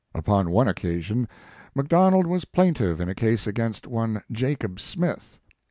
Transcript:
Upon one occasion McDonald was plaintiff in a case against one Jacob Smith.